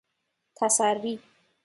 تسری